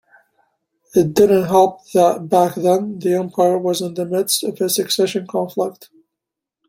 It didn't help that back then the empire was in the midst of a succession conflict.